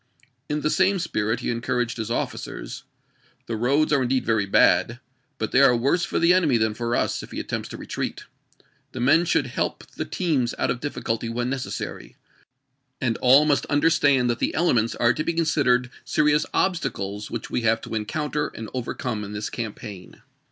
In the same spirit he encouraged his oflBcers: "The roads are indeed very bad, but they are worse for the enemy than for us if he attempts to retreat. .. The men should help the teams out of difficulty when necessary, and all must understand that the elements are to be con sidered serious obstacles, which we have to encoun tJ)K£"i. t®^ ^^^^ overcome in this campaign.